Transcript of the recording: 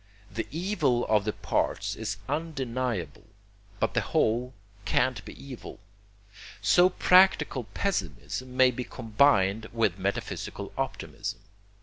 The evil of the parts is undeniable; but the whole can't be evil: so practical pessimism may be combined with metaphysical optimism.